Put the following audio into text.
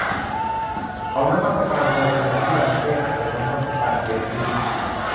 เขานมัสการเธอขณะที่ดันเต้อาจจะนมัสการเบียทริซ